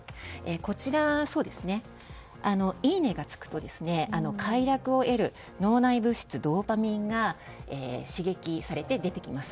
こちら、いいねがつくと刺激されて快楽を得る脳内物質ドーパミンが出てきます。